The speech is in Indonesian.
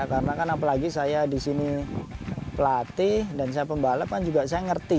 karena kan apalagi saya di sini pelatih dan saya pembalap kan juga saya ngerti